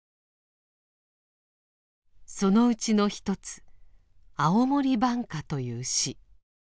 そのうちの一つ「青森挽歌」という詩。